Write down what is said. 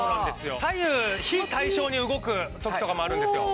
左右非対称に動く時とかもあるんですよ。